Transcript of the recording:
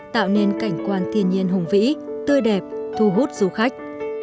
tạo nên cảnh quan thiên nhiên hùng vĩ tươi đẹp thu hút du khách